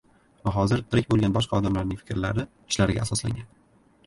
va hozir tirik boʻlgan boshqa odamlarning fikrlari, ishlariga asoslangan.